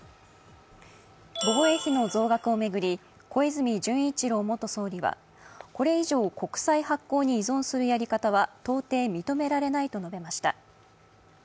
防衛費の増額を巡り、小泉純一郎元総理はこれ以上、国債発行に依存するやり方は到底認められないと述べました。